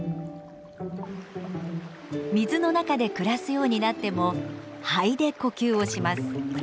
水の中で暮らすようになっても肺で呼吸をします。